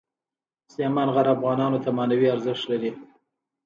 سلیمان غر افغانانو ته معنوي ارزښت لري.